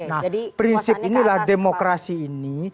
nah prinsip inilah demokrasi ini